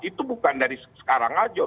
itu bukan dari sekarang aja